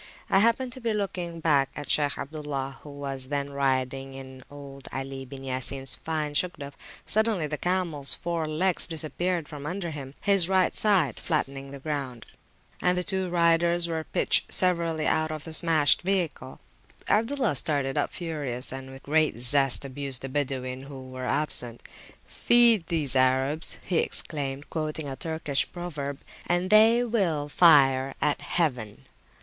I happened to be looking back at Shaykh Abdullah, who was then riding in old Ali bin Ya Sins fine Shugduf; suddenly the camels four legs disappeared from under him, his right side flattening the ground, and the two riders were pitched severally out of the smashed vehicle. Abdullah started up furious, and with great zest abused the Badawin, who were absent. Feed these Arabs, he exclaimed, quoting a Turkish proverb, and [p.147] they will fire at Heaven!